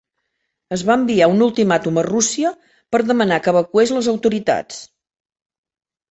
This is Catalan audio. Es va enviar un ultimàtum a Rússia per demanar que evacués les autoritats.